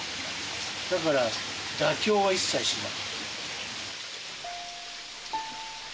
だから妥協は一切しない。